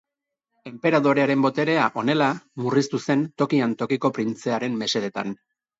Enperadorearen boterea, honela, murriztu zen tokian tokiko printzearen mesedetan.